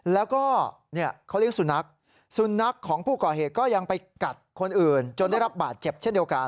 แล้วก็เขาเลี้ยงสุนัขสุนัขของผู้ก่อเหตุก็ยังไปกัดคนอื่นจนได้รับบาดเจ็บเช่นเดียวกัน